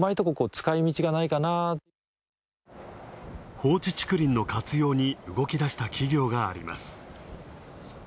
放置竹林の活用に動き出した企業があります。